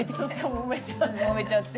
もめちゃって。